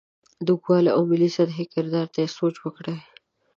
د اوږدوالي او ملي سطحې کردار ته یې سوچ وکړې.